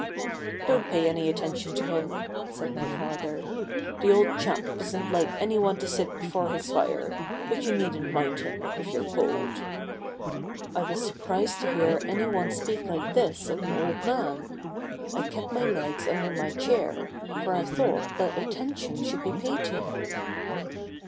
"Don't pay any attention to him," said my father; "the old chap doesn't like any one to sit before his fire, but you needn't mind him, if you're cold." I was surprised to hear any one speak like this of an old man. I kept my legs under my chair, for I thought that attention should be paid to him.